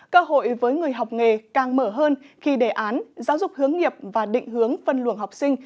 cơ hội với người học nghề càng mở hơn khi đề án giáo dục hướng nghiệp và định hướng phân luồng học sinh